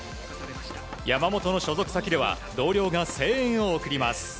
山本の所属先では同僚が声援を送ります。